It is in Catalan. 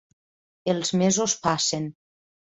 Els mesos passen.